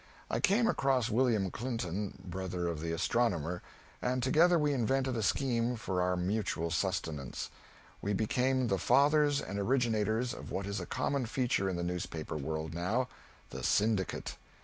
I came across William Clinton, brother of the astronomer, and together we invented a scheme for our mutual sustenance; we became the fathers and originators of what is a common feature in the newspaper world now the syndicate.